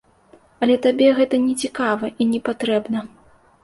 Але табе гэта нецікава і непатрэбна.